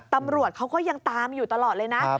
ตำรวจเขาก็ยังตามอยู่ตลอดเลยนะ